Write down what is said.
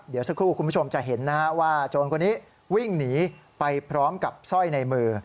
เดี๋ยวสักครู่คุณผู้ชมจะเห็นนะฮะว่าโจรคนนี้วิ่งหนีไปพร้อมกับสร้อยในมือ